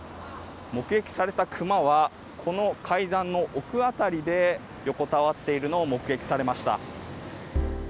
目撃されたクマはこの階段の奥辺りで横たわっているのを目撃されました。